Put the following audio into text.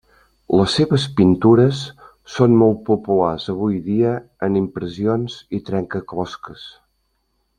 Les seves pintures són molt populars avui dia en impressions i trencaclosques.